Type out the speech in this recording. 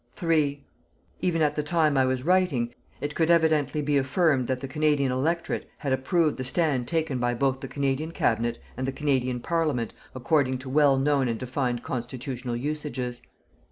3. Even at the time I was writing, it could evidently be affirmed that the Canadian Electorate had approved the stand taken by both the Canadian Cabinet and the Canadian Parliament according to well known and defined constitutional usages.